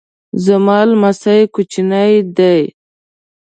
زما لمسی کوچنی دی